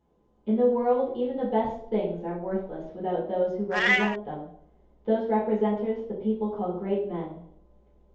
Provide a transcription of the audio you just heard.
In the world even the best things are worthless without those who represent them: those representers, the people call great men.